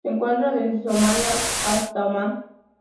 Se encuentra desde Somalia hasta Omán.